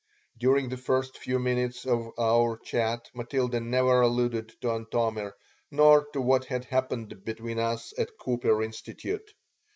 During the first few minutes of our chat Matilda never alluded to Antomir nor to what had happened between us at Cooper Institute.